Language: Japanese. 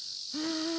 あ。